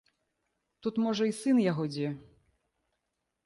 Тут, можа, і сын яго дзе.